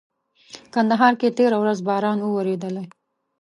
کندهار کي تيره ورځ باران ووريدلي.